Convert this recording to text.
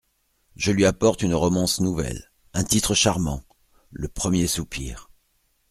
Je lui apporte une romance nouvelle… un titre charmant : le Premier Soupir.